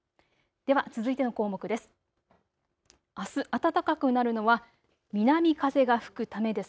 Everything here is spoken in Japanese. では続いての項目です。